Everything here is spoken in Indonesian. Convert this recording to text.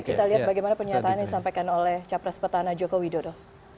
kita lihat bagaimana penyataannya disampaikan oleh capres petana joko widodo